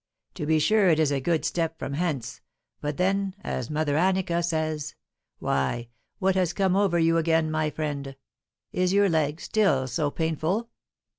To be sure it is a good step from hence, but then, as Mother Anica says Why, what has come over you again, my friend? Is your leg still so painful?"